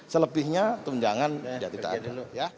selebihnya tunjangan tidak ada